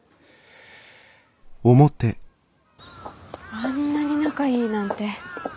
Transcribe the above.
あんなに仲いいなんて。